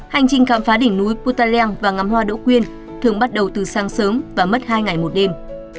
hành trình khám phá đỉnh núi putaleng và ngắm hoa đỗ quyên thường bắt đầu từ sáng sớm và mất hai ngày một đêm